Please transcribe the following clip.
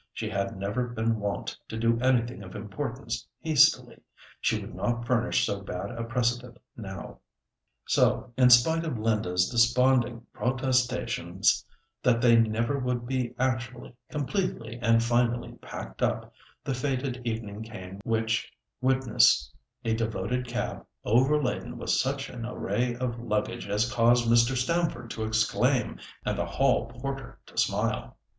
She had never been wont to do anything of importance hastily. She would not furnish so bad a precedent now. So in spite of Linda's desponding protestations that they never would be actually, completely, and finally packed up, the fated evening came which witnessed a devoted cab, overladen with such an array of luggage as caused Mr. Stamford to exclaim and the hall porter to smile.